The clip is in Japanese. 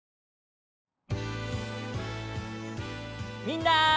みんな！